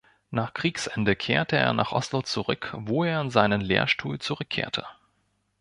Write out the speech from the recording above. Nach Kriegsende kehrte er nach Oslo zurück, wo er an seinen Lehrstuhl zurückkehrte.